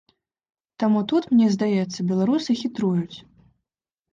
Таму тут, мне здаецца, беларусы хітруюць.